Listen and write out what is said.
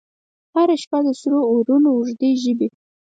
هره شپه د سرو اورونو، اوږدي ژبې،